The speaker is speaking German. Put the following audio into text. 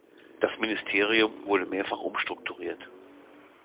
Das Ministerium wurde mehrfach umstrukturiert.